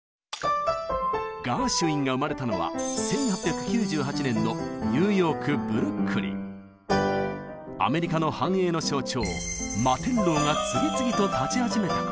ガーシュウィンが生まれたのは１８９８年のアメリカの繁栄の象徴摩天楼が次々と建ち始めた頃。